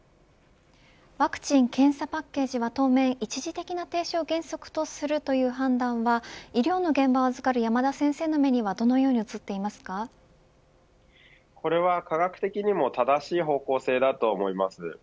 ワクチン・検査パッケージは当面一時的な停止を原則とするという判断は医療の現場を預かる山田先生の目にはこれは科学的にも正しい方向性だと思います。